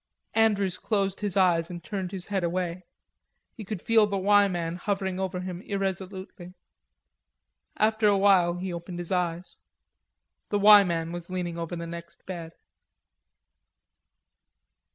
Andrews closed his eyes and turned his head away. He could feel the "Y" man hovering over him irresolutely. After a while he opened his eyes. The "Y" man was leaning over the next bed.